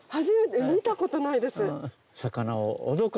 初めて見たことないです。